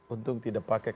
untung tidak pakai kib